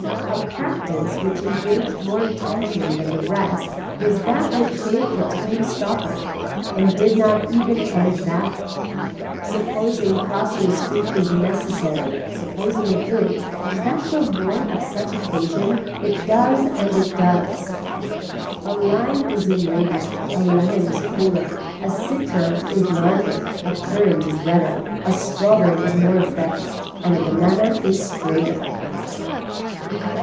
A practice which engaged more attention than the rest was that which shaved a tame stopper and did not even end that. Supposing crossing a street is necessary, supposing it is, does that show more of such occasion. It does and it does. A lime is in labor, a lemon is cooler, a citron is larger, a currant is redder, a strawberry is more vexed, a banana is straighter.